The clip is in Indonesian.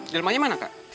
di rumahnya mana kak